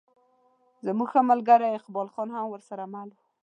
زموږ ښه ملګری اقبال خان هم ورسره مل و.